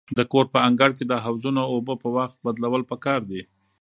د کور په انګړ کې د حوضونو اوبه په وخت بدلول پکار دي.